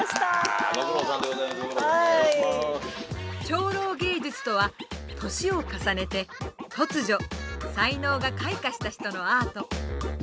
「超老芸術」とは年を重ねて突如才能が開花した人のアート。